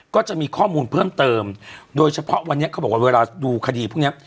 ก็จะมีข้อมูลเพิ่มเติมโดยเฉพาะวันนี้เขาบอกว่าเวลาดูคดีพวกเนี้ย